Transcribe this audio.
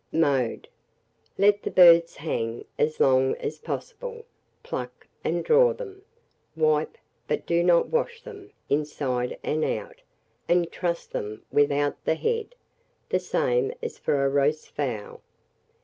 Mode. Let the birds hang as long as possible; pluck and draw them; wipe, but do not wash them, inside and out, and truss them without the head, the same as for a roast fowl.